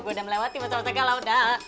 gue udah melewati masalah galau